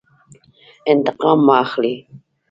انتقام مه اخلئ